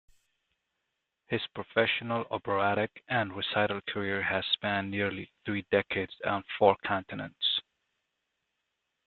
His professional operatic and recital career has spanned nearly three decades and four continents.